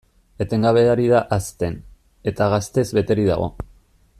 Etengabe ari da hazten, eta gaztez beterik dago.